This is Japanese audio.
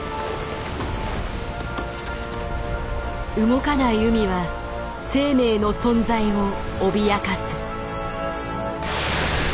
動かない海は生命の存在を脅かす。